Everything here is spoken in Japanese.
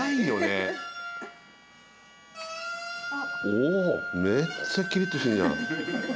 おおめっちゃキリッとしてるじゃん。